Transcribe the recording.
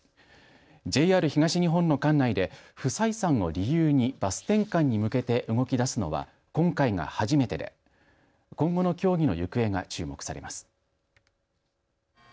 ＪＲ東日本の管内で不採算を理由にバス転換に向けて動きだすのは今回が初めてで今後の協議の行方が注目されます。